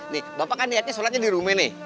nih bapak kan niatnya sholatnya di rumah nih